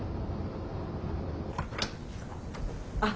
あっ。